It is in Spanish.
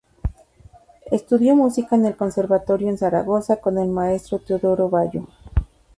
Estudió música en el conservatorio en Zaragoza con el maestro Teodoro Ballo.